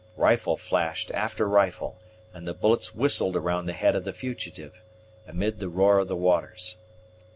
Rifle flashed after rifle, and the bullets whistled around the head of the fugitive, amid the roar of the waters.